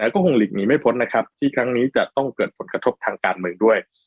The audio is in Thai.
ก็คงหลีกหนีไม่พ้นนะครับที่ครั้งนี้จะต้องเกิดผลกระทบทางการเมืองด้วย